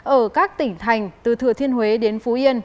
ở các tỉnh thành từ thừa thiên huế đến phú yên